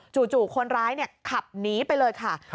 จู่คนร้ายขับหนีไปเลยค่ะ